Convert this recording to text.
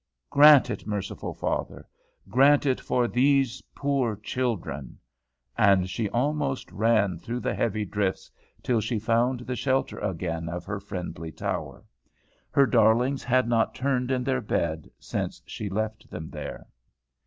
"Grant it, merciful Father, grant it for these poor children!" And she almost ran through the heavy drifts, till she found the shelter again of her friendly tower. Her darlings had not turned in their bed, since she left them there.